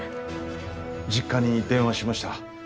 実家に電話しました。